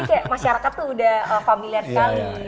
jadi kayak masyarakat tuh udah familiar sekali